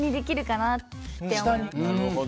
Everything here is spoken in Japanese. なるほど。